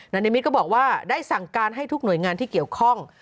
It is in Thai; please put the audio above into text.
นิมิตรก็บอกว่าได้สั่งการให้ทุกหน่วยงานที่เกี่ยวข้อง